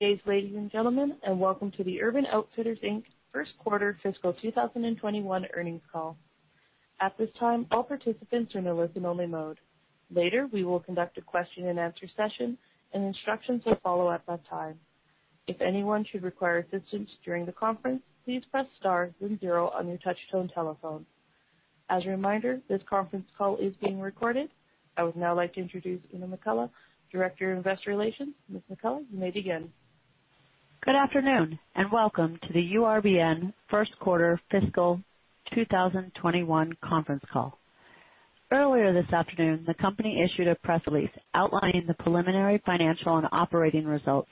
Good day, ladies and gentlemen, and welcome to the Urban Outfitters, Inc. First Quarter Fiscal 2021 Earnings Call. At this time, all participants are in listen only mode. Later, we will conduct a question and answer session, and instructions will follow at that time. If anyone should require assistance during the conference, please press star then zero on your touch-tone telephone. As a reminder, this conference call is being recorded. I would now like to introduce Oona McCullough, Director of Investor Relations. Ms. McCullough, you may begin. Good afternoon, welcome to the URBN First Quarter Fiscal 2021 Conference Call. Earlier this afternoon, the company issued a press release outlining the preliminary financial and operating results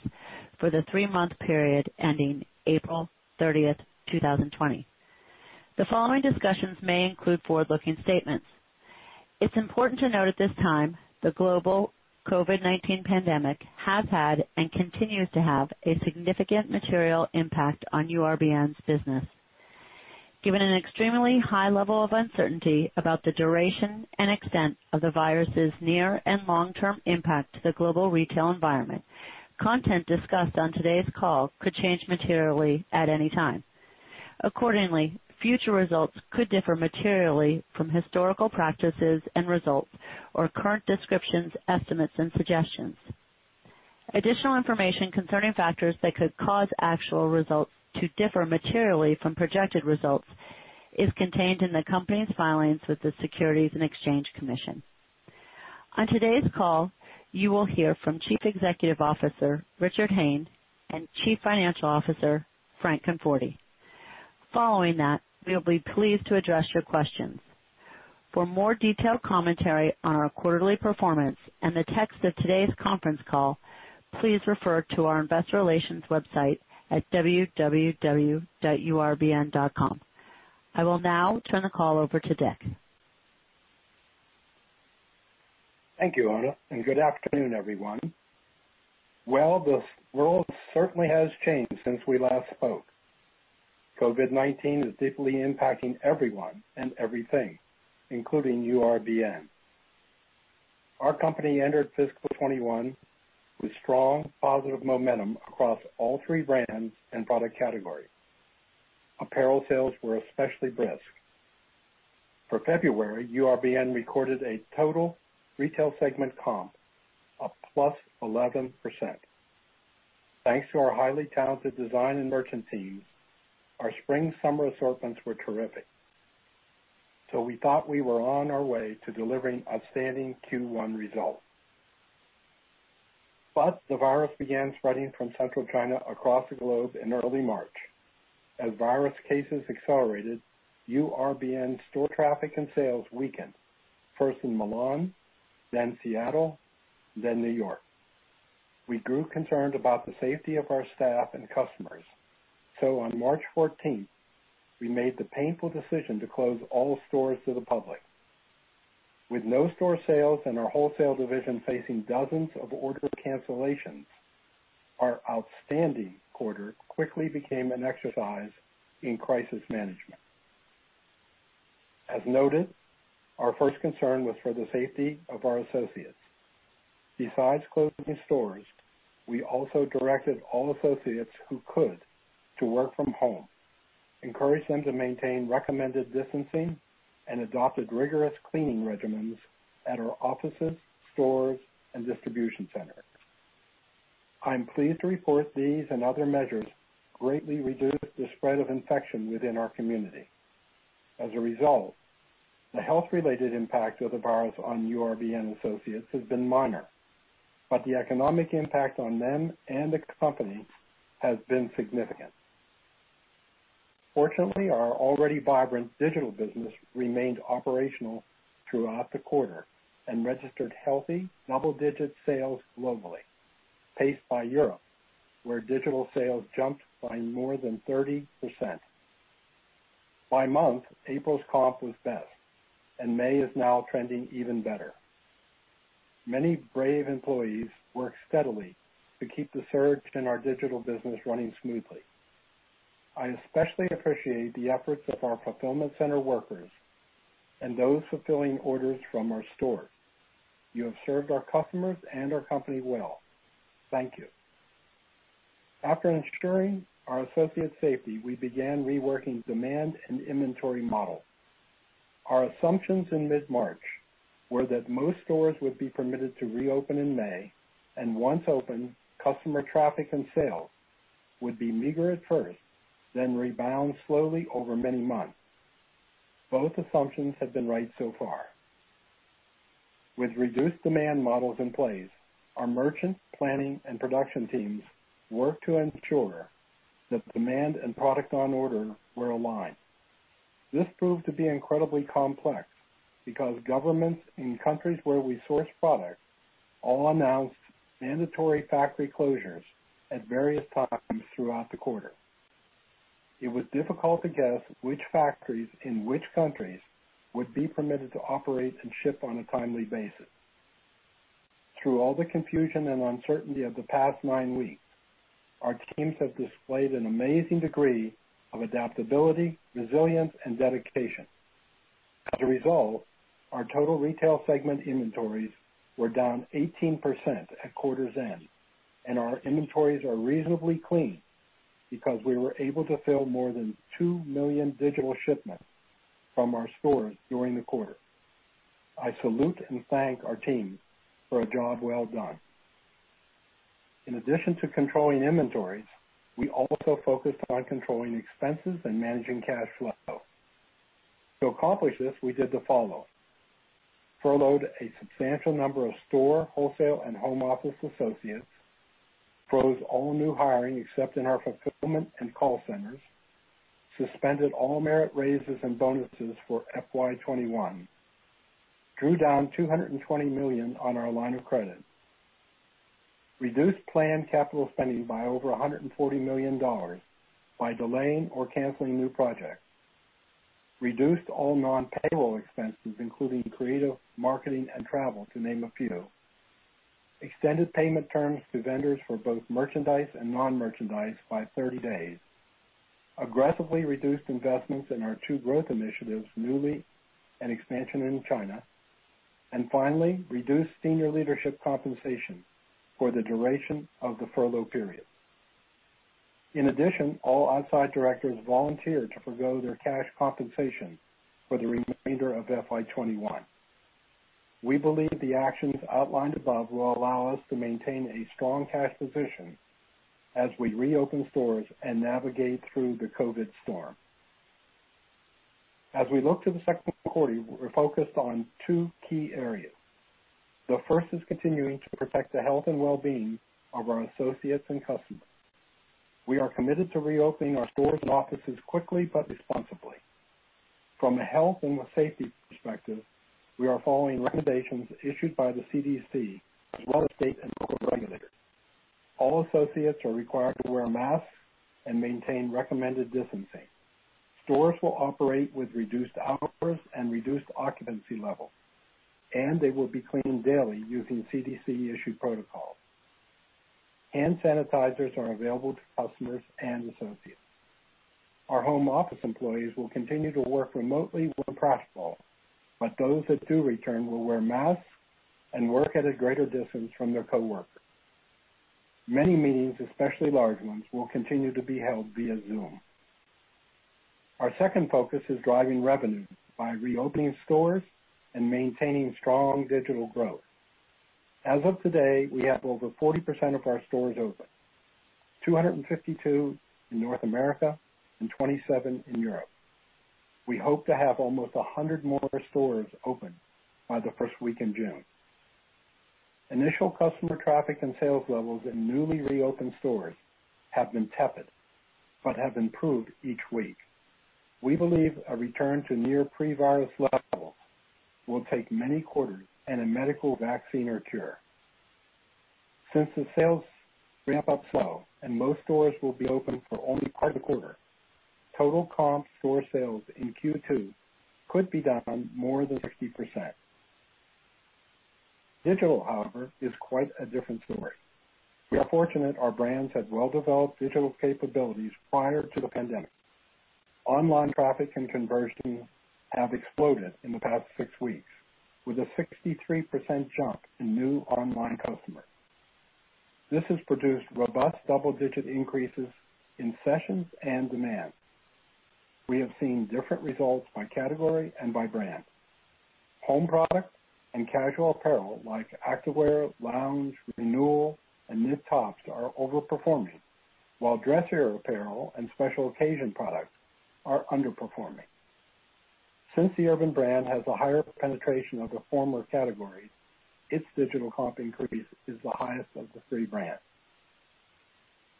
for the 3-month period ending April 30, 2020. The following discussions may include forward-looking statements. It's important to note at this time the global COVID-19 pandemic has had and continues to have a significant material impact on URBN's business. Given an extremely high level of uncertainty about the duration and extent of the virus's near and long-term impact to the global retail environment, content discussed on today's call could change materially at any time. Accordingly, future results could differ materially from historical practices and results or current descriptions, estimates, and suggestions. Additional information concerning factors that could cause actual results to differ materially from projected results is contained in the company's filings with the Securities and Exchange Commission. On today's call, you will hear from Chief Executive Officer, Richard Hayne, and Chief Financial Officer, Frank Conforti. Following that, we will be pleased to address your questions. For more detailed commentary on our quarterly performance and the text of today's conference call, please refer to our investor relations website at www.urbn.com. I will now turn the call over to Dick. Thank you, Oona, and good afternoon, everyone. The world certainly has changed since we last spoke. COVID-19 is deeply impacting everyone and everything, including URBN. Our company entered fiscal 21 with strong positive momentum across all three brands and product categories. Apparel sales were especially brisk. For February, URBN recorded a total retail segment comp, a +11%. Thanks to our highly talented design and merchant teams, our spring-summer assortments were terrific. We thought we were on our way to delivering outstanding Q1 results. The virus began spreading from central China across the globe in early March. As virus cases accelerated, URBN store traffic and sales weakened, first in Milan, then Seattle, then New York. We grew concerned about the safety of our staff and customers. On March 14th, we made the painful decision to close all stores to the public. With no store sales and our wholesale division facing dozens of order cancellations, our outstanding quarter quickly became an exercise in crisis management. As noted, our first concern was for the safety of our associates. Besides closing stores, we also directed all associates who could to work from home, encouraged them to maintain recommended distancing, and adopted rigorous cleaning regimens at our offices, stores, and distribution centers. I'm pleased to report these and other measures greatly reduced the spread of infection within our community. As a result, the health-related impact of the virus on URBN associates has been minor, but the economic impact on them and the company has been significant. Fortunately, our already vibrant digital business remained operational throughout the quarter and registered healthy double-digit sales globally, paced by Europe, where digital sales jumped by more than 30%. By month, April's comp was best, and May is now trending even better. Many brave employees work steadily to keep the surge in our digital business running smoothly. I especially appreciate the efforts of our fulfillment center workers and those fulfilling orders from our stores. You have served our customers and our company well. Thank you. After ensuring our associates' safety, we began reworking demand and inventory models. Our assumptions in mid-March were that most stores would be permitted to reopen in May, and once open, customer traffic and sales would be meager at first, then rebound slowly over many months. Both assumptions have been right so far. With reduced demand models in place, our merchants, planning, and production teams worked to ensure that demand and product on order were aligned. This proved to be incredibly complex because governments in countries where we source product all announced mandatory factory closures at various times throughout the quarter. It was difficult to guess which factories in which countries would be permitted to operate and ship on a timely basis. Through all the confusion and uncertainty of the past nine weeks, our teams have displayed an amazing degree of adaptability, resilience, and dedication. As a result, our total retail segment inventories were down 18% at quarter's end, and our inventories are reasonably clean because we were able to fill more than two million digital shipments from our stores during the quarter. I salute and thank our team for a job well done. In addition to controlling inventories, we also focused on controlling expenses and managing cash flow. To accomplish this, we did the following: furloughed a substantial number of store, wholesale, and home office associates, froze all new hiring except in our fulfillment and call centers, suspended all merit raises and bonuses for FY 2021, drew down $220 million on our line of credit, reduced planned capital spending by over $140 million by delaying or canceling new projects, reduced all non-payroll expenses, including creative, marketing, and travel, to name a few, extended payment terms to vendors for both merchandise and non-merchandise by 30 days, aggressively reduced investments in our two growth initiatives, Nuuly and expansion in China, and finally, reduced senior leadership compensation for the duration of the furlough period. In addition, all outside directors volunteered to forgo their cash compensation for the remainder of FY 2021. We believe the actions outlined above will allow us to maintain a strong cash position as we reopen stores and navigate through the COVID storm. As we look to the second quarter, we're focused on two key areas. The first is continuing to protect the health and well-being of our associates and customers. We are committed to reopening our stores and offices quickly but responsibly. From a health and a safety perspective, we are following recommendations issued by the CDC as well as state and local regulators. All associates are required to wear a mask and maintain recommended distancing. Stores will operate with reduced hours and reduced occupancy levels, and they will be cleaned daily using CDC-issued protocols. Hand sanitizers are available to customers and associates. Our home office employees will continue to work remotely where practical, but those that do return will wear masks and work at a greater distance from their coworkers. Many meetings, especially large ones, will continue to be held via Zoom. Our second focus is driving revenue by reopening stores and maintaining strong digital growth. As of today, we have over 40% of our stores open, 252 in North America and 27 in Europe. We hope to have almost 100 more stores open by the first week in June. Initial customer traffic and sales levels in newly reopened stores have been tepid but have improved each week. We believe a return to near pre-virus levels will take many quarters and a medical vaccine or cure. Since the sales ramp up slow and most stores will be open for only part of the quarter, total comp store sales in Q2 could be down more than 60%. Digital, however, is quite a different story. We are fortunate our brands had well-developed digital capabilities prior to the pandemic. Online traffic and conversion have exploded in the past six weeks with a 63% jump in new online customers. This has produced robust double-digit increases in sessions and demand. We have seen different results by category and by brand. Home products and casual apparel like activewear, lounge, Urban Renewal, and knit tops are overperforming, while dressier apparel and special occasion products are underperforming. Since the Urban brand has a higher penetration of the former categories, its digital comp increase is the highest of the three brands.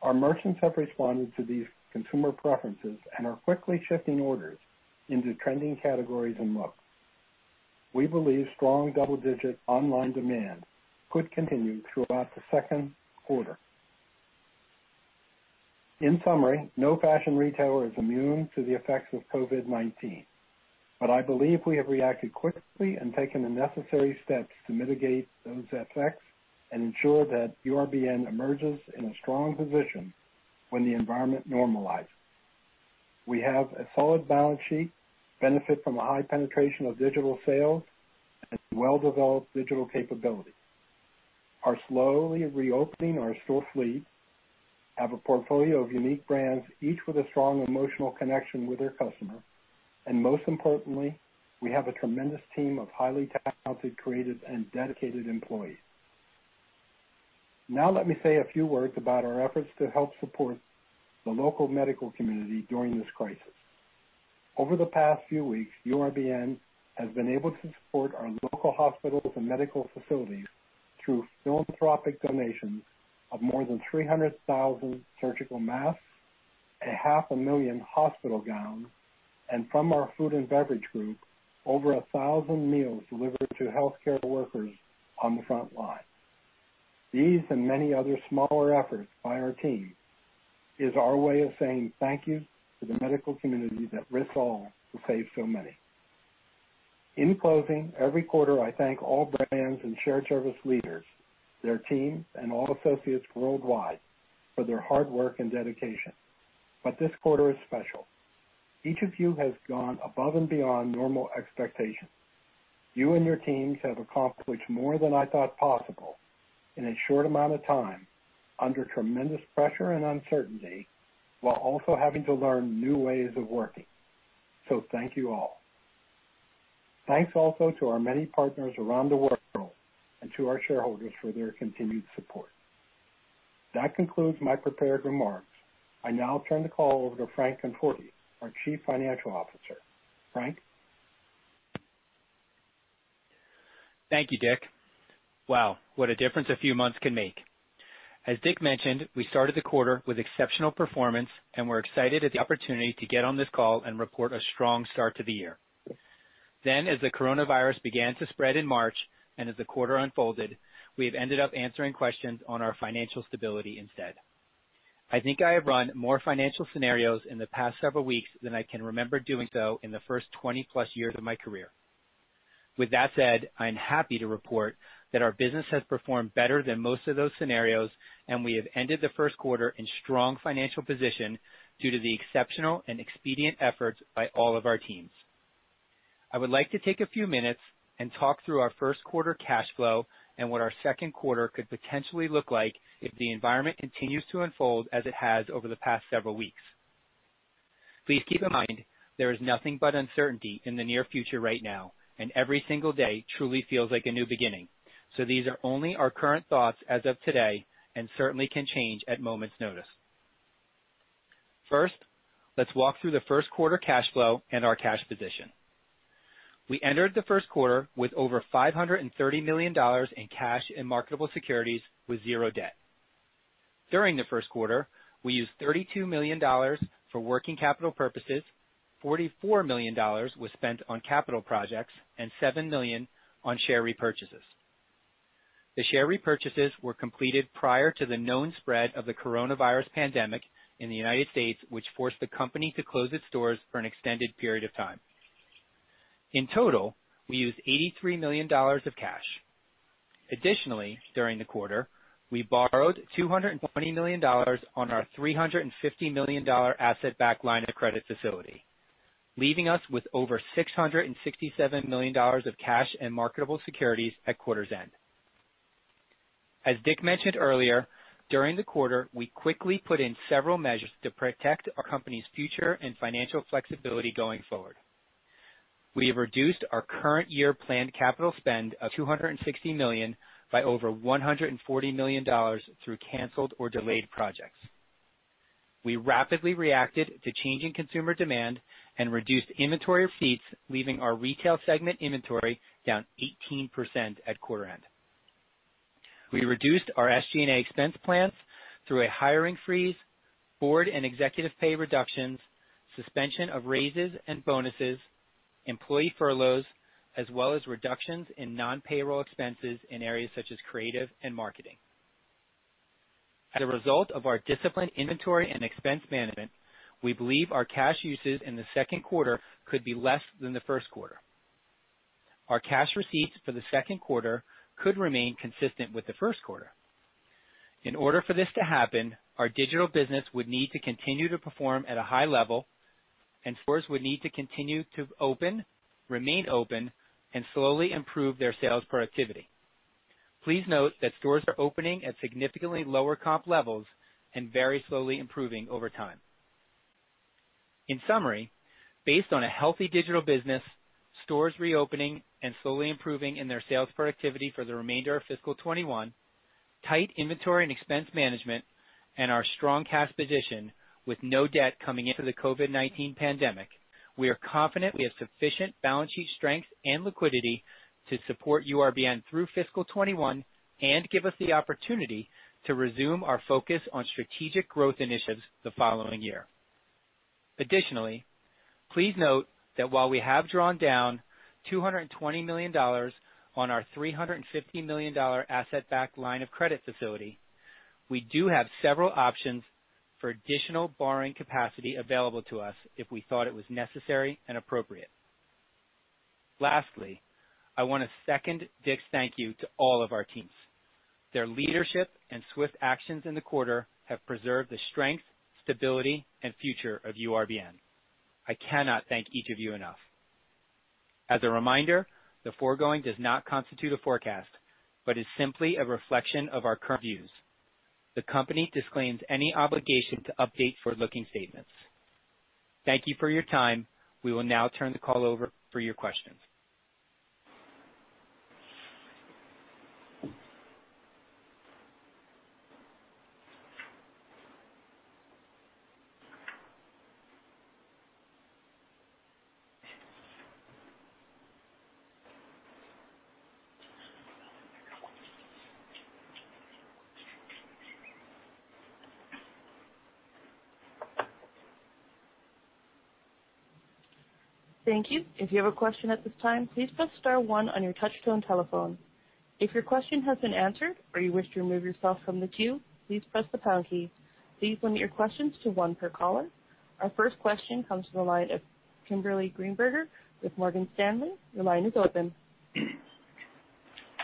Our merchants have responded to these consumer preferences and are quickly shifting orders into trending categories and looks. We believe strong double-digit online demand could continue throughout the second quarter. In summary, no fashion retailer is immune to the effects of COVID-19, but I believe we have reacted quickly and taken the necessary steps to mitigate those effects and ensure that URBN emerges in a strong position when the environment normalizes. We have a solid balance sheet, benefit from a high penetration of digital sales, and well-developed digital capability, are slowly reopening our store fleet, have a portfolio of unique brands, each with a strong emotional connection with their customer, and most importantly, we have a tremendous team of highly talented, creative, and dedicated employees. Now let me say a few words about our efforts to help support the local medical community during this crisis. Over the past few weeks, URBN has been able to support our local hospitals and medical facilities through philanthropic donations of more than 300,000 surgical masks, a half a million hospital gowns, and from our food and beverage group, over 1,000 meals delivered to healthcare workers on the front line. These and many other smaller efforts by our team is our way of saying thank you to the medical community that risks all to save so many. In closing, every quarter, I thank all brands and shared service leaders, their teams, and all associates worldwide for their hard work and dedication. This quarter is special. Each of you has gone above and beyond normal expectations. You and your teams have accomplished more than I thought possible in a short amount of time, under tremendous pressure and uncertainty, while also having to learn new ways of working. Thank you all. Thanks also to our many partners around the world and to our shareholders for their continued support. That concludes my prepared remarks. I now turn the call over to Frank Conforti, our Chief Financial Officer. Frank? Thank you, Dick. Wow, what a difference a few months can make. As Dick mentioned, we started the quarter with exceptional performance, and we're excited at the opportunity to get on this call and report a strong start to the year. As the coronavirus began to spread in March, and as the quarter unfolded, we have ended up answering questions on our financial stability instead. I think I have run more financial scenarios in the past several weeks than I can remember doing so in the first 20-plus years of my career. With that said, I am happy to report that our business has performed better than most of those scenarios, and we have ended the first quarter in strong financial position due to the exceptional and expedient efforts by all of our teams. I would like to take a few minutes and talk through our first quarter cash flow and what our second quarter could potentially look like if the environment continues to unfold as it has over the past several weeks. Please keep in mind, there is nothing but uncertainty in the near future right now, and every single day truly feels like a new beginning. These are only our current thoughts as of today and certainly can change at a moment's notice. First, let's walk through the first quarter cash flow and our cash position. We entered the first quarter with over $530 million in cash and marketable securities with zero debt. During the first quarter, we used $32 million for working capital purposes, $44 million was spent on capital projects, and $7 million on share repurchases. The share repurchases were completed prior to the known spread of the coronavirus pandemic in the United States, which forced the company to close its stores for an extended period of time. In total, we used $83 million of cash. Additionally, during the quarter, we borrowed $220 million on our $350 million asset-backed line of credit facility, leaving us with over $667 million of cash and marketable securities at quarter's end. As Dick mentioned earlier, during the quarter, we quickly put in several measures to protect our company's future and financial flexibility going forward. We have reduced our current year planned capital spend of $260 million by over $140 million through canceled or delayed projects. We rapidly reacted to changing consumer demand and reduced inventory of SKUs, leaving our retail segment inventory down 18% at quarter end. We reduced our SG&A expense plans through a hiring freeze, board and executive pay reductions, suspension of raises and bonuses, employee furloughs, as well as reductions in non-payroll expenses in areas such as creative and marketing. As a result of our disciplined inventory and expense management, we believe our cash usage in the second quarter could be less than the first quarter. Our cash receipts for the second quarter could remain consistent with the first quarter. In order for this to happen, our digital business would need to continue to perform at a high level, and stores would need to continue to open, remain open, and slowly improve their sales productivity. Please note that stores are opening at significantly lower comp levels and very slowly improving over time. In summary, based on a healthy digital business, stores reopening and slowly improving in their sales productivity for the remainder of fiscal '21, tight inventory and expense management, and our strong cash position with no debt coming into the COVID-19 pandemic, we are confident we have sufficient balance sheet strength and liquidity to support URBN through fiscal '21 and give us the opportunity to resume our focus on strategic growth initiatives the following year. Additionally, please note that while we have drawn down $220 million on our $350 million asset-backed line of credit facility, we do have several options for additional borrowing capacity available to us if we thought it was necessary and appropriate. Lastly, I want to second Dick's thank you to all of our teams. Their leadership and swift actions in the quarter have preserved the strength, stability, and future of URBN. I cannot thank each of you enough. As a reminder, the foregoing does not constitute a forecast, but is simply a reflection of our current views. The company disclaims any obligation to update forward-looking statements. Thank you for your time. We will now turn the call over for your questions. Thank you. If you have a question at this time, please press star one on your touchtone telephone. If your question has been answered or you wish to remove yourself from the queue, please press the pound key. Please limit your questions to one per caller. Our first question comes from the line of Kimberly Greenberger with Morgan Stanley. Your line is open.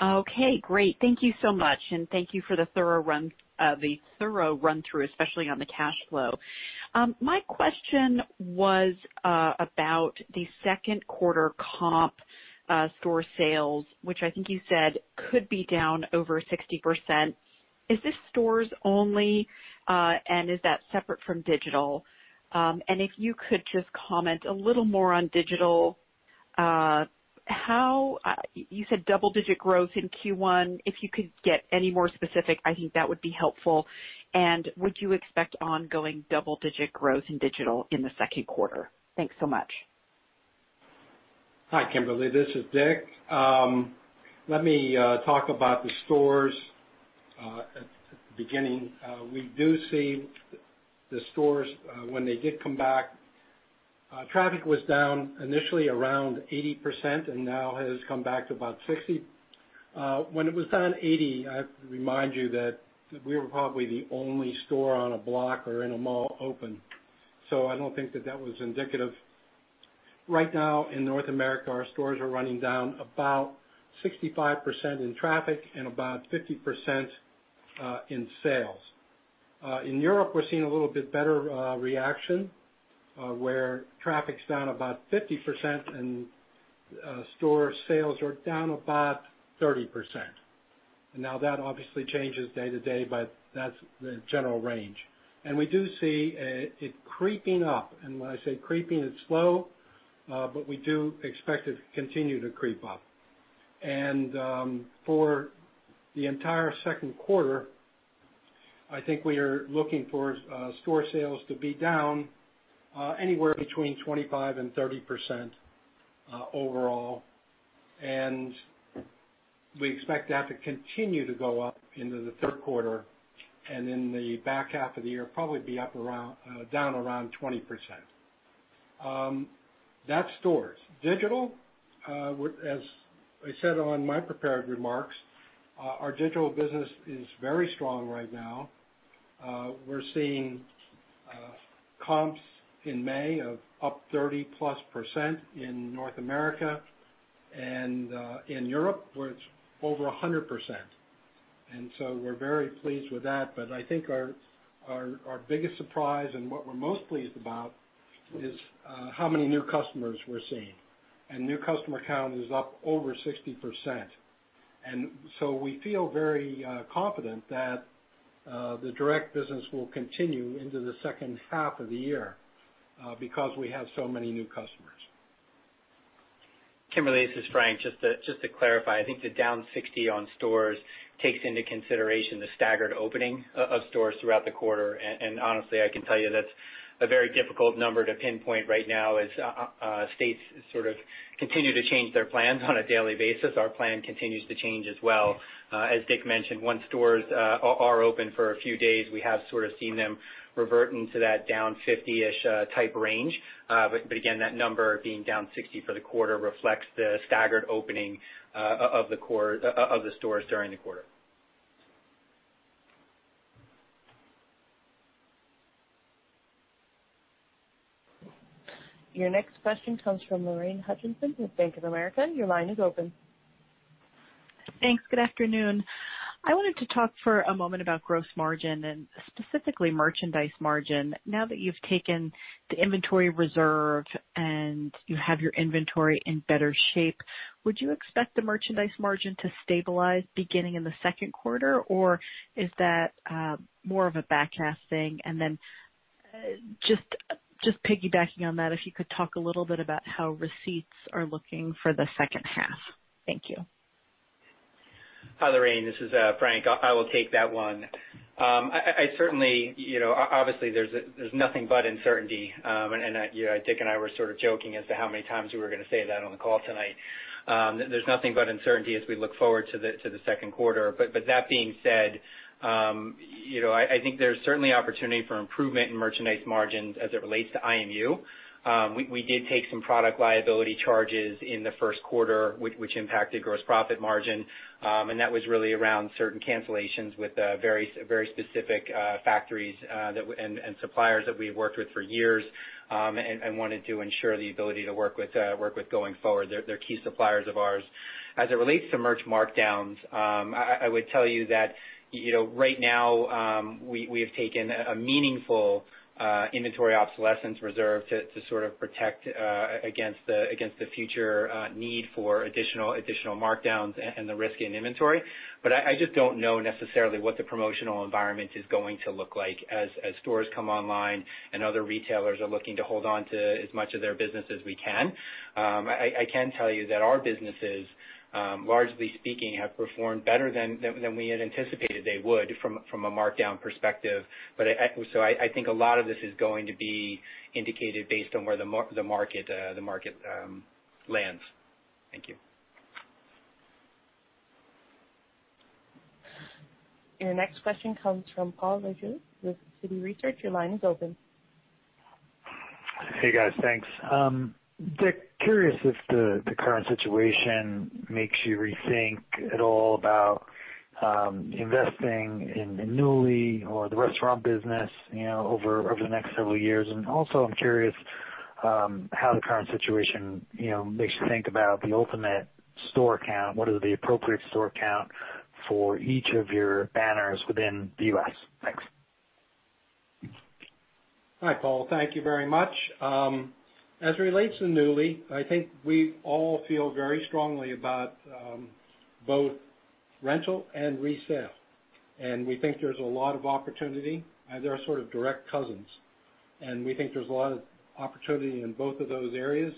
Okay, great. Thank you so much. Thank you for the thorough run through, especially on the cash flow. My question was about the second quarter comp store sales, which I think you said could be down over 60%. Is this stores only? Is that separate from digital? If you could just comment a little more on digital. You said double-digit growth in Q1. If you could get any more specific, I think that would be helpful. Would you expect ongoing double-digit growth in digital in the second quarter? Thanks so much. Hi, Kimberly. This is Dick. Let me talk about the stores at the beginning. We do see the stores, when they did come back, traffic was down initially around 80% and now has come back to about 60%. When it was down 80%, I have to remind you that we were probably the only store on a block or in a mall open. I don't think that that was indicative. Right now in North America, our stores are running down about 65% in traffic and about 50% in sales. In Europe, we're seeing a little bit better reaction, where traffic's down about 50% and store sales are down about 30%. That obviously changes day to day, but that's the general range. We do see it creeping up. When I say creeping, it's slow, but we do expect it to continue to creep up. For the entire second quarter, I think we are looking for store sales to be down anywhere between 25% and 30% overall. We expect that to continue to go up into the third quarter, and in the back half of the year, probably be down around 20%. That's stores. Digital, as I said on my prepared remarks, our digital business is very strong right now. We're seeing comps in May of up 30+% in North America, and in Europe, where it's over 100%. We're very pleased with that. I think our biggest surprise and what we're most pleased about is how many new customers we're seeing. New customer count is up over 60%. We feel very confident that the direct business will continue into the second half of the year because we have so many new customers. Kimberly, this is Frank. Just to clarify, I think the down 60 on stores takes into consideration the staggered opening of stores throughout the quarter. Honestly, I can tell you that's a very difficult number to pinpoint right now as states sort of continue to change their plans on a daily basis. Our plan continues to change as well. As Dick mentioned, once stores are open for a few days, we have sort of seen them reverting to that down 50-ish type range. Again, that number being down 60 for the quarter reflects the staggered opening of the stores during the quarter. Your next question comes from Lorraine Hutchinson with Bank of America. Your line is open. Thanks. Good afternoon. I wanted to talk for a moment about gross margin and specifically merchandise margin. Now that you've taken the inventory reserve and you have your inventory in better shape, would you expect the merchandise margin to stabilize beginning in the second quarter, or is that more of a back half thing? Just piggybacking on that, if you could talk a little bit about how receipts are looking for the second half. Thank you. Hi, Lorraine. This is Frank. I will take that one. Obviously, there's nothing but uncertainty, and Dick and I were sort of joking as to how many times we were going to say that on the call tonight. There's nothing but uncertainty as we look forward to the second quarter. That being said, I think there's certainly opportunity for improvement in merchandise margins as it relates to IMU. We did take some product liability charges in the first quarter, which impacted gross profit margin. That was really around certain cancellations with very specific factories and suppliers that we've worked with for years and wanted to ensure the ability to work with going forward. They're key suppliers of ours. As it relates to merch markdowns, I would tell you that right now, we have taken a meaningful inventory obsolescence reserve to sort of protect against the future need for additional markdowns and the risk in inventory. I just don't know necessarily what the promotional environment is going to look like as stores come online and other retailers are looking to hold on to as much of their business as we can. I can tell you that our businesses, largely speaking, have performed better than we had anticipated they would from a markdown perspective. I think a lot of this is going to be indicated based on where the market lands. Thank you. Your next question comes from Paul Lejuez with Citi Research. Your line is open. Hey, guys. Thanks. Dick, curious if the current situation makes you rethink at all about investing in Nuuly or the restaurant business over the next several years. Also, I'm curious How the current situation makes you think about the ultimate store count. What is the appropriate store count for each of your banners within the U.S.? Thanks. Hi, Paul. Thank you very much. As it relates to Nuuly, I think we all feel very strongly about both rental and resale. We think there's a lot of opportunity. They are sort of direct cousins. We think there's a lot of opportunity in both of those areas.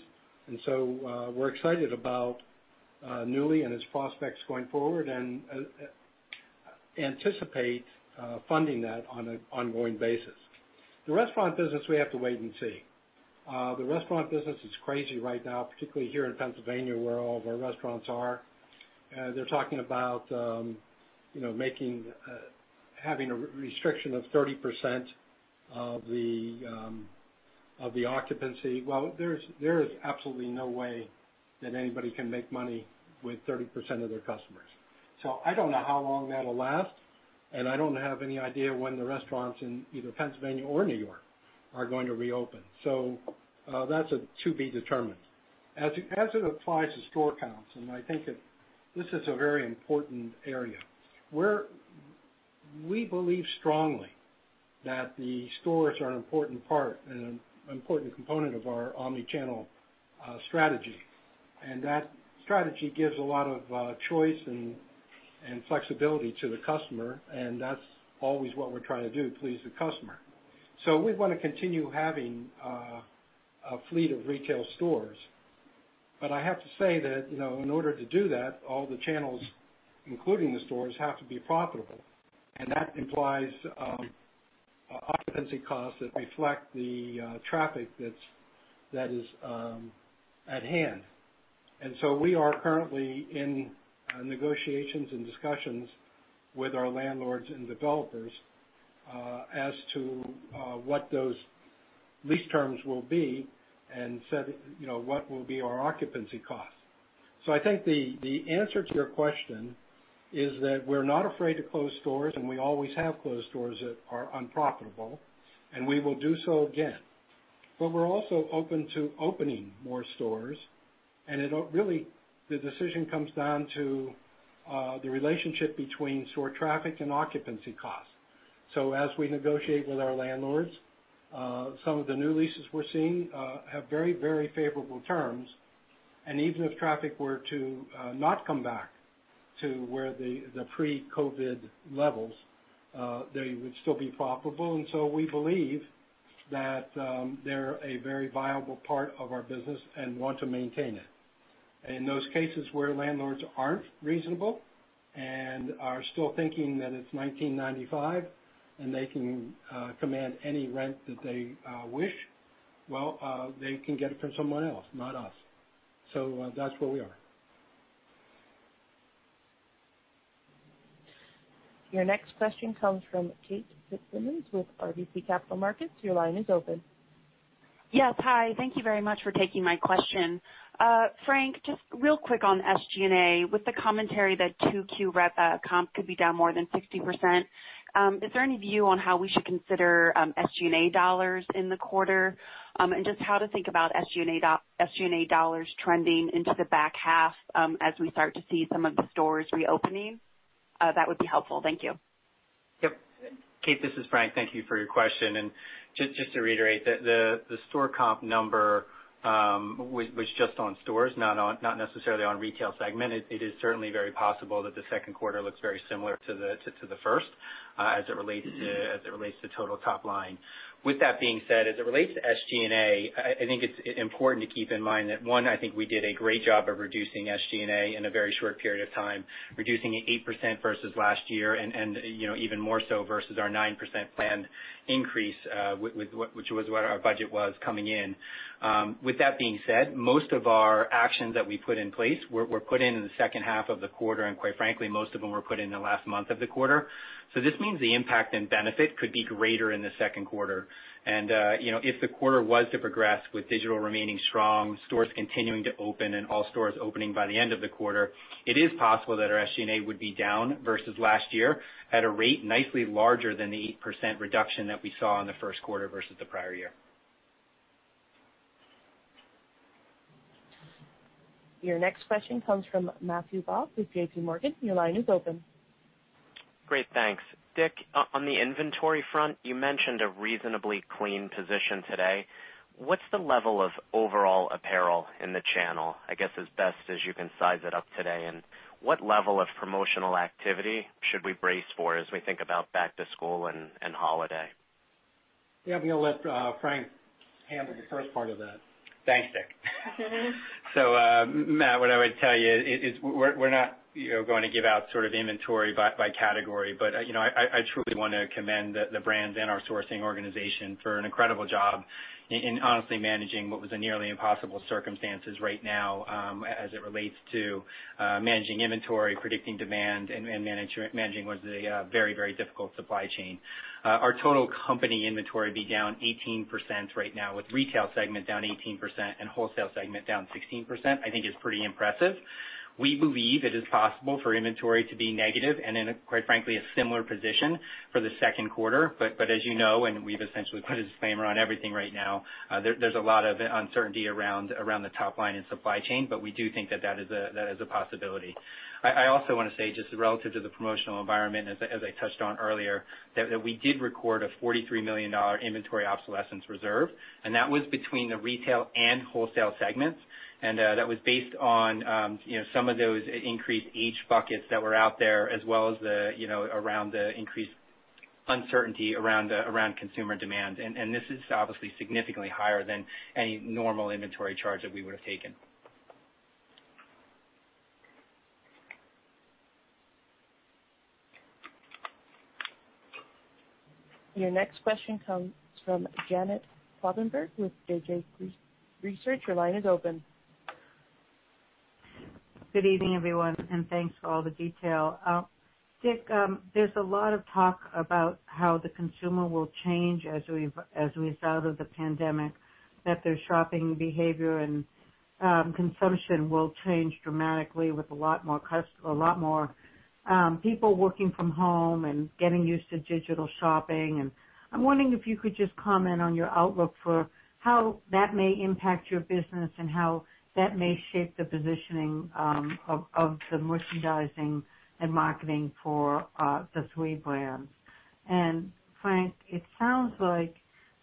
We're excited about Nuuly and its prospects going forward and anticipate funding that on an ongoing basis. The restaurant business, we have to wait and see. The restaurant business is crazy right now, particularly here in Pennsylvania, where all of our restaurants are. They're talking about having a restriction of 30% of the occupancy. Well, there is absolutely no way that anybody can make money with 30% of their customers. I don't know how long that'll last, and I don't have any idea when the restaurants in either Pennsylvania or New York are going to reopen. That's to be determined. As it applies to store counts, and I think that this is a very important area, we believe strongly that the stores are an important part and an important component of our omni-channel strategy. That strategy gives a lot of choice and flexibility to the customer, and that's always what we're trying to do, please the customer. We want to continue having a fleet of retail stores. I have to say that, in order to do that, all the channels, including the stores, have to be profitable. That implies occupancy costs that reflect the traffic that is at hand. We are currently in negotiations and discussions with our landlords and developers as to what those lease terms will be and what will be our occupancy cost. I think the answer to your question is that we're not afraid to close stores, and we always have closed stores that are unprofitable, and we will do so again. We're also open to opening more stores, and really, the decision comes down to the relationship between store traffic and occupancy cost. As we negotiate with our landlords, some of the new leases we're seeing have very, very favorable terms. Even if traffic were to not come back to the pre-COVID levels, they would still be profitable. We believe that they're a very viable part of our business and want to maintain it. In those cases where landlords aren't reasonable and are still thinking that it's 1995 and they can command any rent that they wish, well, they can get it from someone else, not us. That's where we are. Your next question comes from Kate Fitzsimons with RBC Capital Markets. Your line is open. Yes. Hi. Thank you very much for taking my question. Frank, just real quick on SG&A, with the commentary that 2Q comp could be down more than 60%, is there any view on how we should consider SG&A dollars in the quarter? Just how to think about SG&A dollars trending into the back half as we start to see some of the stores reopening? That would be helpful. Thank you. Yep. Kate, this is Frank. Thank you for your question. Just to reiterate, the store comp number was just on stores, not necessarily on retail segment. It is certainly very possible that the second quarter looks very similar to the first as it relates to total top line. With that being said, as it relates to SG&A, I think it's important to keep in mind that, one, I think we did a great job of reducing SG&A in a very short period of time, reducing it 8% versus last year and even more so versus our 9% planned increase, which was what our budget was coming in. With that being said, most of our actions that we put in place were put in in the second half of the quarter, and quite frankly, most of them were put in the last month of the quarter. This means the impact and benefit could be greater in the second quarter. If the quarter was to progress with digital remaining strong, stores continuing to open, and all stores opening by the end of the quarter, it is possible that our SG&A would be down versus last year at a rate nicely larger than the 8% reduction that we saw in the first quarter versus the prior year. Your next question comes from Matthew Boss with JPMorgan. Your line is open. Great, thanks. Dick, on the inventory front, you mentioned a reasonably clean position today. What's the level of overall apparel in the channel, I guess as best as you can size it up today, and what level of promotional activity should we brace for as we think about back to school and holiday? Yeah, I'm going to let Frank handle the first part of that. Thanks, Dick. Matt, what I would tell you is we're not going to give out sort of inventory by category. I truly want to commend the brands and our sourcing organization for an incredible job in honestly managing what was a nearly impossible circumstances right now as it relates to managing inventory, predicting demand, and managing what is a very, very difficult supply chain. Our total company inventory would be down 18% right now, with retail segment down 18% and wholesale segment down 16%, I think is pretty impressive. We believe it is possible for inventory to be negative and in, quite frankly, a similar position for the second quarter. As you know, and we've essentially put a disclaimer on everything right now, there's a lot of uncertainty around the top line and supply chain, but we do think that is a possibility. I also want to say, just relative to the promotional environment, as I touched on earlier, that we did record a $43 million inventory obsolescence reserve, and that was between the retail and wholesale segments. That was based on some of those increased age buckets that were out there, as well as around the increased uncertainty around consumer demand. This is obviously significantly higher than any normal inventory charge that we would have taken. Your next question comes from Janet Kloppenburg with JJK Research. Your line is open. Good evening, everyone, thanks for all the detail. Dick, there's a lot of talk about how the consumer will change as we've, out of the pandemic, that their shopping behavior and consumption will change dramatically with a lot more people working from home and getting used to digital shopping. I'm wondering if you could just comment on your outlook for how that may impact your business, and how that may shape the positioning of the merchandising and marketing for the three brands. Frank Conforti, it sounds like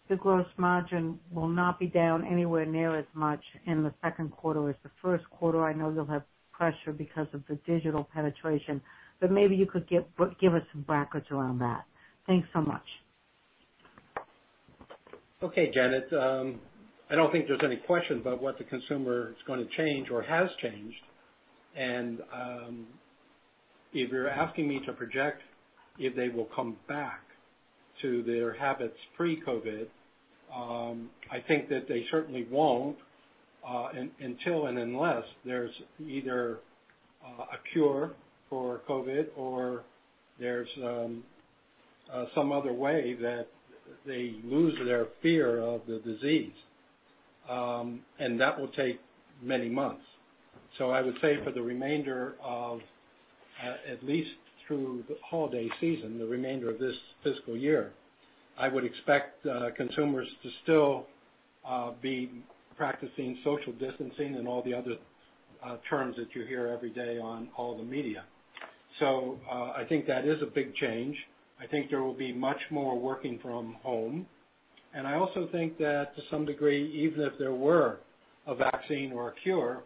the gross margin will not be down anywhere near as much in the second quarter as the first quarter. I know you'll have pressure because of the digital penetration, but maybe you could give us some brackets around that. Thanks so much. Okay, Janet. I don't think there's any question about what the consumer is going to change or has changed. If you're asking me to project if they will come back to their habits pre-COVID, I think that they certainly won't, until and unless there's either a cure for COVID or there's some other way that they lose their fear of the disease. That will take many months. I would say for the remainder of at least through the holiday season, the remainder of this fiscal year, I would expect consumers to still be practicing social distancing and all the other terms that you hear every day on all the media. I think that is a big change. I think there will be much more working from home. I also think that to some degree, even if there were a vaccine or a cure,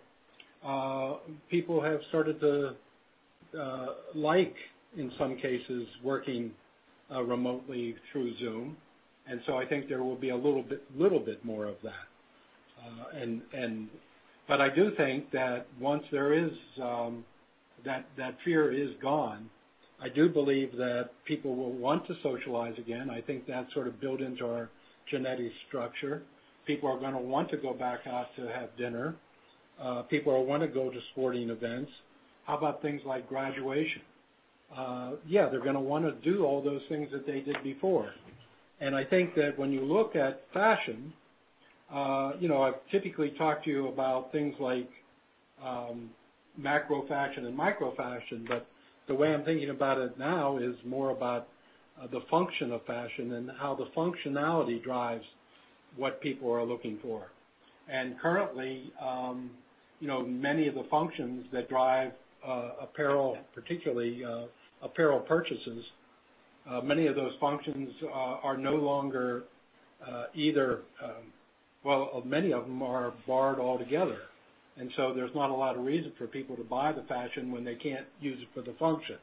people have started to like, in some cases, working remotely through Zoom. I think there will be a little bit more of that. I do think that once that fear is gone, I do believe that people will want to socialize again. I think that's sort of built into our genetic structure. People are going to want to go back out to have dinner. People will want to go to sporting events. How about things like graduation? Yeah, they're gonna wanna do all those things that they did before. I think that when you look at fashion, I've typically talked to you about things like macro fashion and micro fashion, but the way I'm thinking about it now is more about the function of fashion and how the functionality drives what people are looking for. Currently, many of the functions that drive apparel, particularly apparel purchases, many of those functions are no longer, well, many of them are barred altogether. There's not a lot of reason for people to buy the fashion when they can't use it for the function.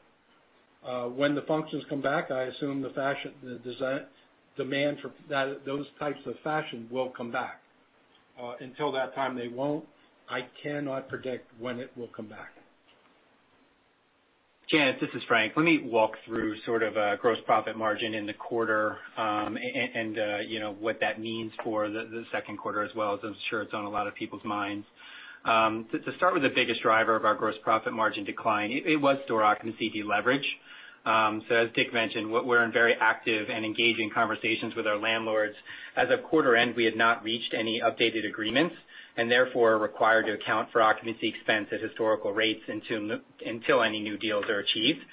When the functions come back, I assume the demand for those types of fashion will come back. Until that time, they won't. I cannot predict when it will come back. Janet, this is Frank. Let me walk through sort of gross profit margin in the quarter, and what that means for the second quarter as well, as I'm sure it's on a lot of people's minds. To start with the biggest driver of our gross profit margin decline, it was store occupancy deleverage. As Dick mentioned, we're in very active and engaging conversations with our landlords. As of quarter end, we had not reached any updated agreements, and therefore, are required to account for occupancy expense at historical rates until any new deals are achieved.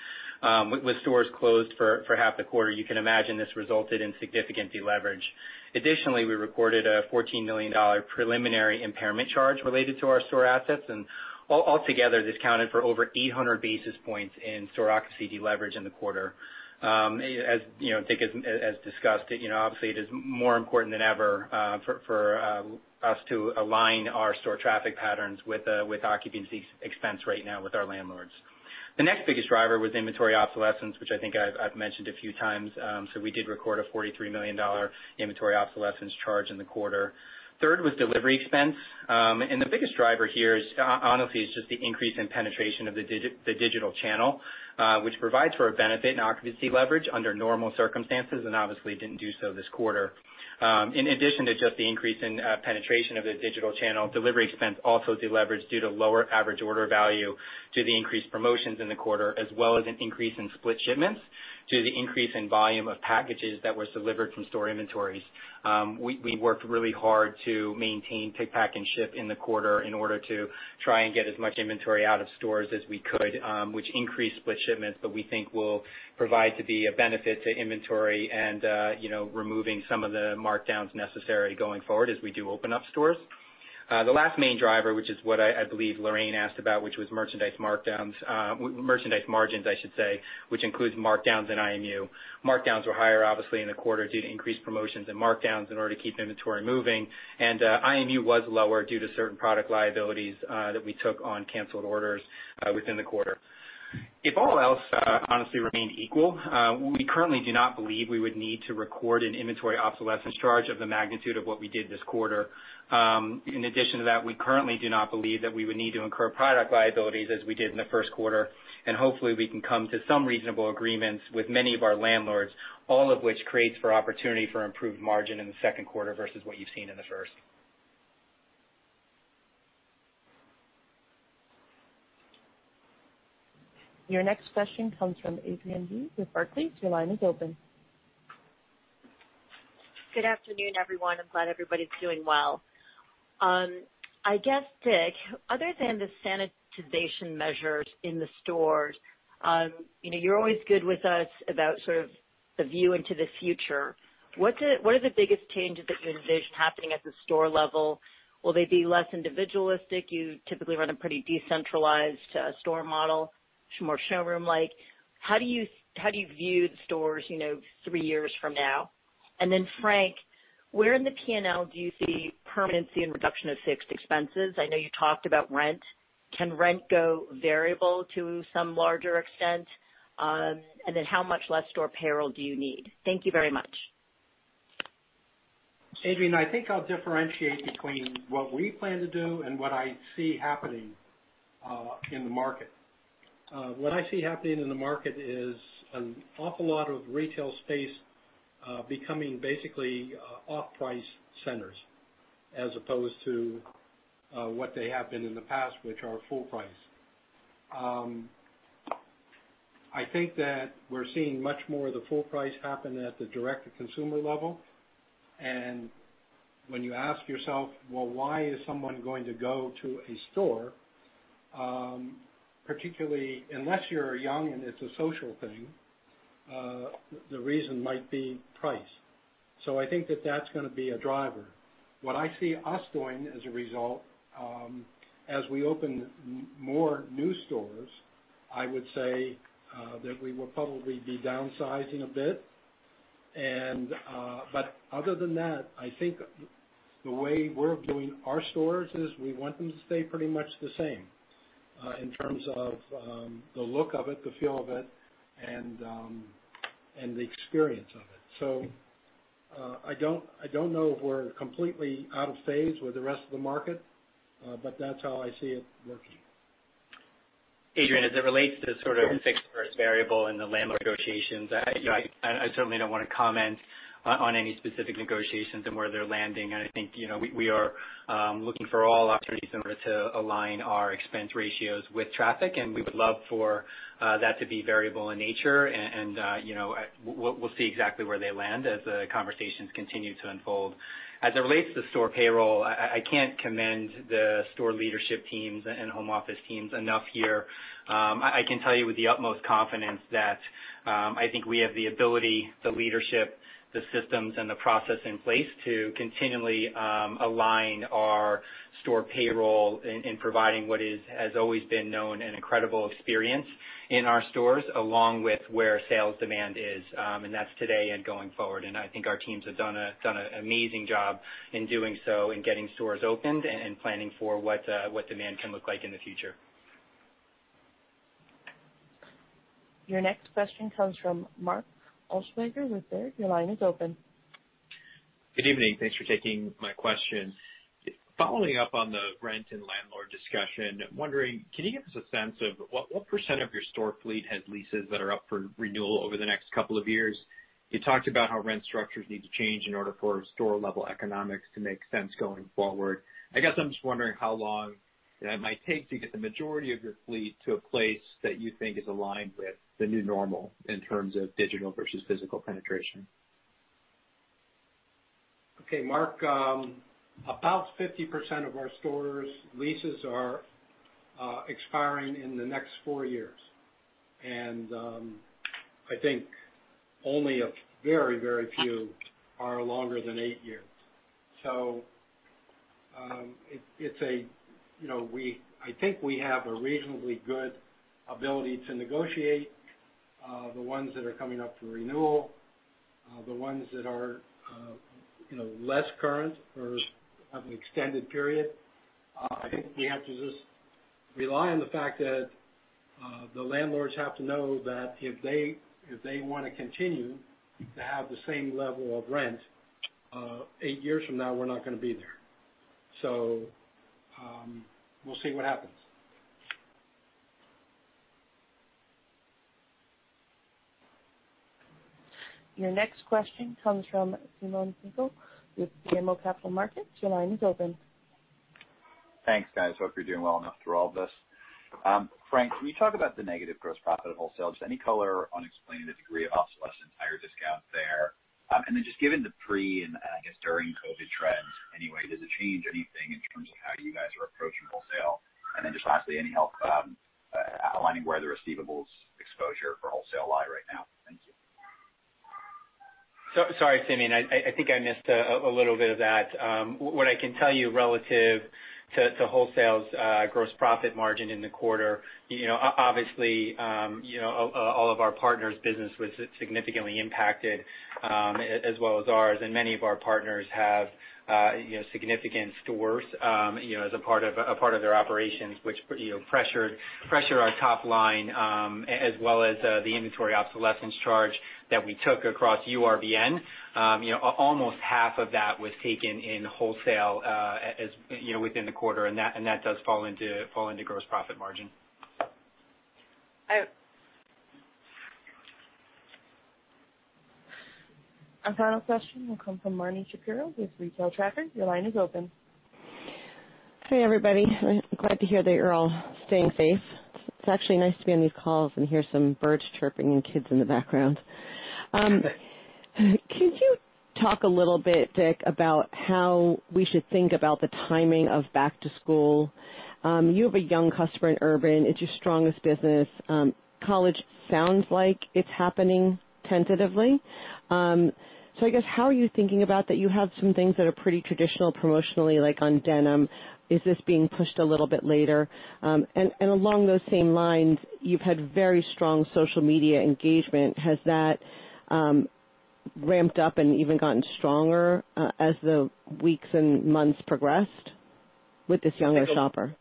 With stores closed for half the quarter, you can imagine this resulted in significant deleverage. Additionally, we recorded a $14 million preliminary impairment charge related to our store assets, and altogether, this accounted for over 800 basis points in store occupancy deleverage in the quarter. As Dick has discussed, obviously, it is more important than ever for us to align our store traffic patterns with occupancy expense right now with our landlords. The next biggest driver was inventory obsolescence, which I think I've mentioned a few times. We did record a $43 million inventory obsolescence charge in the quarter. Third was delivery expense. The biggest driver here honestly is just the increase in penetration of the digital channel, which provides for a benefit in occupancy leverage under normal circumstances, and obviously didn't do so this quarter. In addition to just the increase in penetration of the digital channel, delivery expense also deleveraged due to lower average order value to the increased promotions in the quarter, as well as an increase in split shipments to the increase in volume of packages that were delivered from store inventories. We worked really hard to maintain pick, pack, and ship in the quarter in order to try and get as much inventory out of stores as we could, which increased split shipments that we think will provide to be a benefit to inventory and removing some of the markdowns necessary going forward as we do open up stores. The last main driver, which is what I believe Lorraine asked about, which was merchandise margins, which includes markdowns and IMU. Markdowns were higher, obviously, in the quarter due to increased promotions and markdowns in order to keep inventory moving. IMU was lower due to certain product liabilities that we took on canceled orders within the quarter. If all else, honestly, remained equal, we currently do not believe we would need to record an inventory obsolescence charge of the magnitude of what we did this quarter. In addition to that, we currently do not believe that we would need to incur product liabilities as we did in the first quarter, and hopefully we can come to some reasonable agreements with many of our landlords, all of which creates for opportunity for improved margin in the second quarter versus what you've seen in the first. Your next question comes from Adrienne Yih with Barclays. Your line is open. Good afternoon, everyone. I'm glad everybody's doing well. I guess, Dick, other than the sanitization measures in the stores, you're always good with us about sort of the view into the future. What are the biggest changes that you envision happening at the store level? Will they be less individualistic? You typically run a pretty decentralized store model, more showroom-like. How do you view the stores three years from now? Then, Frank Conforti, where in the P&L do you see permanency and reduction of fixed expenses? I know you talked about rent. Can rent go variable to some larger extent? Then how much less store payroll do you need? Thank you very much. Adrienne, I think I'll differentiate between what we plan to do and what I see happening in the market. What I see happening in the market is an awful lot of retail space becoming basically off-price centers, as opposed to what they have been in the past, which are full price. I think that we're seeing much more of the full price happen at the direct-to-consumer level. When you ask yourself, "Well, why is someone going to go to a store?" Particularly, unless you're young and it's a social thing, the reason might be price. I think that that's gonna be a driver. What I see us doing as a result, as we open more new stores, I would say that we will probably be downsizing a bit. Other than that, I think the way we're viewing our stores is we want them to stay pretty much the same in terms of the look of it, the feel of it, and the experience of it. I don't know if we're completely out of phase with the rest of the market, but that's how I see it working. Adrienne, as it relates to sort of fixed versus variable and the landlord negotiations, I certainly don't want to comment on any specific negotiations and where they're landing, I think we are looking for all opportunities in order to align our expense ratios with traffic, we would love for that to be variable in nature. We'll see exactly where they land as the conversations continue to unfold. As it relates to store payroll, I can't commend the store leadership teams and home office teams enough here. I can tell you with the utmost confidence that I think we have the ability, the leadership, the systems, and the process in place to continually align our store payroll in providing what has always been known, an incredible experience in our stores, along with where sales demand is. That's today and going forward. I think our teams have done an amazing job in doing so and getting stores opened and planning for what demand can look like in the future. Your next question comes from Mark Altschwager with Baird. Your line is open. Good evening. Thanks for taking my question. Following up on the rent and landlord discussion, I'm wondering, can you give us a sense of what % of your store fleet has leases that are up for renewal over the next couple of years? You talked about how rent structures need to change in order for store-level economics to make sense going forward. I guess I'm just wondering how long that might take to get the majority of your fleet to a place that you think is aligned with the new normal in terms of digital versus physical penetration. Okay, Mark, about 50% of our stores' leases are expiring in the next four years. I think only a very, very few are longer than eight years. I think we have a reasonably good ability to negotiate the ones that are coming up for renewal, the ones that are less current or have an extended period. I think we have to just rely on the fact that the landlords have to know that if they want to continue to have the same level of rent, eight years from now, we're not gonna be there. We'll see what happens. Your next question comes from Simeon Siegel with BMO Capital Markets. Your line is open. Thanks, guys. Hope you're doing well enough through all of this. Frank, can you talk about the negative gross profit at wholesale? Just any color on explaining the degree of obsolescence and higher discount there. Just given the pre and I guess during-COVID-19 trends anyway, does it change anything in terms of how you guys are approaching wholesale? Just lastly, any help outlining where the receivables exposure for wholesale lie right now? Thank you. Sorry, Simeon, I think I missed a little bit of that. What I can tell you relative to wholesale's gross profit margin in the quarter, obviously, all of our partners' business was significantly impacted as well as ours. Many of our partners have significant stores as a part of their operations, which pressure our top line as well as the inventory obsolescence charge that we took across URBN. Almost half of that was taken in wholesale within the quarter, that does fall into gross profit margin. Our final question will come from Marni Shapiro with The Retail Tracker. Your line is open. Hey, everybody. I'm glad to hear that you're all staying safe. It's actually nice to be on these calls and hear some birds chirping and kids in the background. Can you talk a little bit, Dick, about how we should think about the timing of back to school? You have a young customer in Urban. It's your strongest business. College sounds like it's happening tentatively. I guess, how are you thinking about that you have some things that are pretty traditional promotionally, like on denim? Is this being pushed a little bit later? Along those same lines, you've had very strong social media engagement. Has that ramped up and even gotten stronger as the weeks and months progressed with this younger shopper?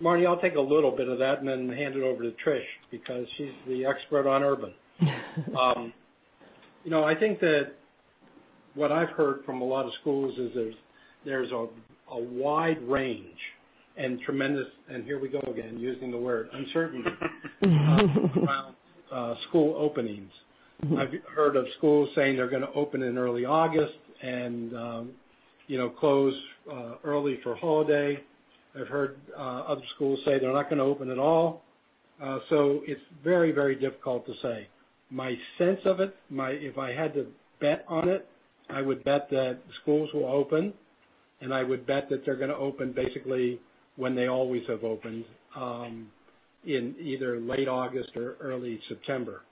Marni, I'll take a little bit of that and then hand it over to Trish, because she's the expert on Urban Outfitters. I think that what I've heard from a lot of schools is there's a wide range and tremendous, and here we go again, using the word uncertainty around school openings. I've heard of schools saying they're gonna open in early August and close early for holiday. I've heard other schools say they're not gonna open at all. It's very difficult to say. My sense of it, if I had to bet on it, I would bet that schools will open, and I would bet that they're gonna open basically when they always have opened, in either late August or early September.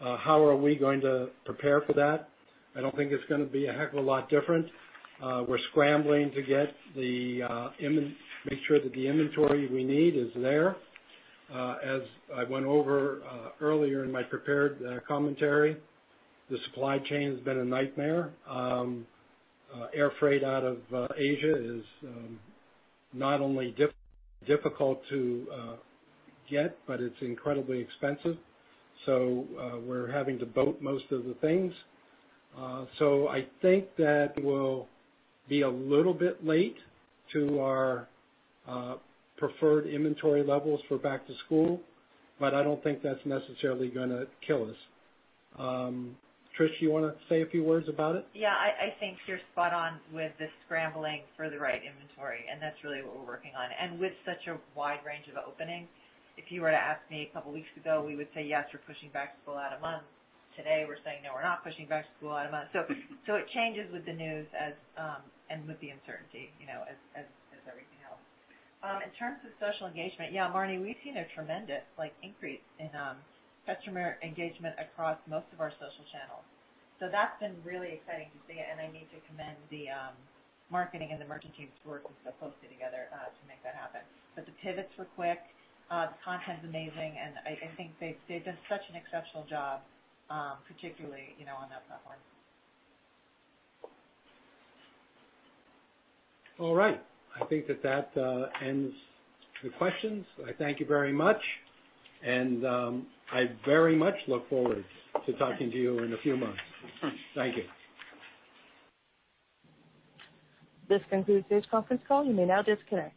How are we going to prepare for that? I don't think it's gonna be a heck of a lot different. We're scrambling to make sure that the inventory we need is there. As I went over earlier in my prepared commentary, the supply chain has been a nightmare. Air freight out of Asia is not only difficult to get, but it's incredibly expensive. We're having to boat most of the things. I think that we'll be a little bit late to our preferred inventory levels for back to school, but I don't think that's necessarily gonna kill us. Trish, you wanna say a few words about it? Yeah, I think you're spot on with the scrambling for the right inventory, and that's really what we're working on. With such a wide range of openings, if you were to ask me a couple of weeks ago, we would say, yes, we're pushing back to school out a month. Today, we're saying, no, we're not pushing back to school out a month. It changes with the news and with the uncertainty, as everything else. In terms of social engagement, yeah, Marni, we've seen a tremendous increase in customer engagement across most of our social channels. That's been really exciting to see, and I need to commend the marketing and the merchant teams working so closely together to make that happen. The pivots were quick, the content's amazing, and I think they've done such an exceptional job, particularly, on that platform. All right. I think that that ends the questions. I thank you very much, and I very much look forward to talking to you in a few months. Thank you. This concludes today's conference call. You may now disconnect.